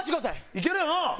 いけるよな？